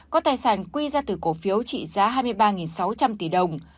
có tài sản quy ra từ cổ phiếu trị giá hai mươi ba sáu trăm linh tỷ đồng